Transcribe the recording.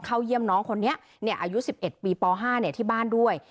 เข้าเยี่ยมน้องคนนี้อายุ๑๑ปีป๕ที่บ้านด้วย